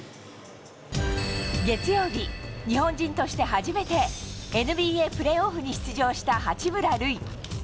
月曜日、日本人として初めてＮＢＡプレーオフに出場した八村塁。